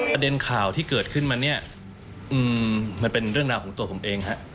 ประเด็นข่าวที่เกิดขึ้นมาเนี่ยมันเป็นเรื่องราวของตัวผมเองฮะ